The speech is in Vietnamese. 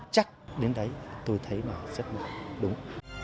chắc đến đấy tôi thấy là rất là đúng